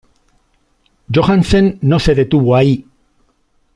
Johansen no se detuvo ahí.